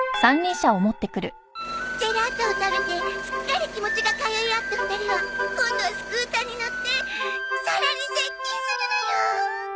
ジェラートを食べてすっかり気持ちが通い合った２人は今度はスクーターに乗ってさらに接近するのよ！